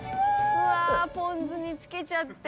うわポン酢につけちゃって。